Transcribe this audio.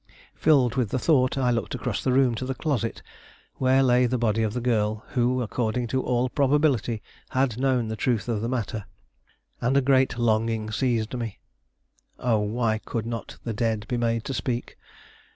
Filled with the thought, I looked across the room to the closet where lay the body of the girl who, according to all probability, had known the truth of the matter, and a great longing seized me. Oh, why could not the dead be made to speak?